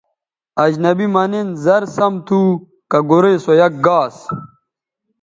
اجنبی مہ نِن زر سَم تھو کہ گورئ سو یک گاس